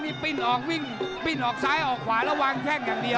นี่ปิ้นออกซ้ายออกขวาแล้ววางแข้งอย่างเดียว